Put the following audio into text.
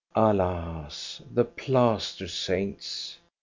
Alas ! the plaster saints